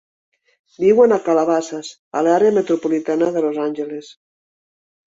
Viuen a Calabasas, a l'àrea metropolitana de Los Angeles.